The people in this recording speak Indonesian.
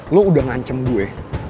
lo udah ngancem gue